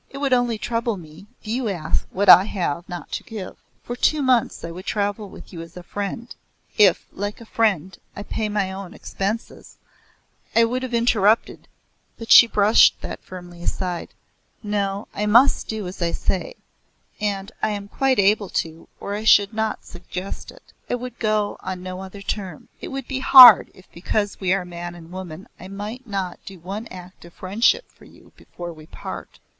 It would only trouble me if you asked what I have not to give. For two months I would travel with you as a friend, if, like a friend, I paid my own expenses " I would have interrupted, but she brushed that firmly aside. "No, I must do as I say, and I am quite able to or I should not suggest it. I would go on no other terms. It would be hard if because we are man and woman I might not do one act of friendship for you before we part.